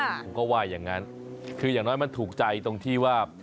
ผมก็ว่าอย่างนั้นคืออย่างน้อยมันถูกใจตรงที่ว่า